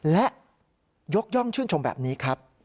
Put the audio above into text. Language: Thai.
และยกย่องชื่นชมแบบนี้ครับ